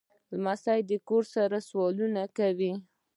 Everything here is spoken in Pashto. لمسی د پلار سره سوالونه کوي.